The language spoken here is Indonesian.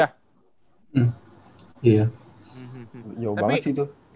jauh banget sih itu